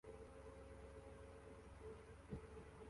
Abagabo babiri bahagaze ku mucanga wumusenyi imbere yinyanja